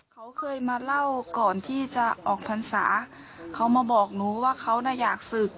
เขาเคยมาเล่าก่อนที่จะออกพรรษาเขามาบอกหนูว่าเขาน่ะอยากศึก